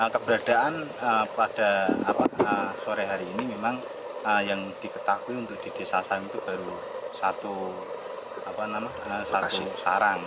keberadaan pada sore hari ini memang yang diketahui untuk di desa sam itu baru satu sarang